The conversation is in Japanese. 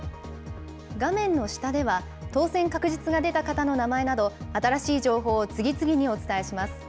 画面の下では、当選確実が出た方の名前など、新しい情報を次々にお伝えします。